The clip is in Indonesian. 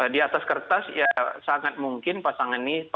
di atas kertas ya sangat mungkin pasangan ini